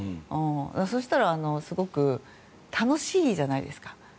そしたらすごく楽しいじゃないですか。